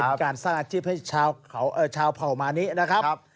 การสร้างอาชีพให้ชาวเผ่ามานินะครับ